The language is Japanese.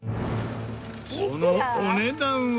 そのお値段は。